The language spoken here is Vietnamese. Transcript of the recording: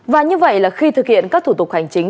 và như vậy là khi thực hiện các thủ tục hành chính